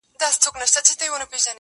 دا چي لوی سي نو که نن وي که سبا وي -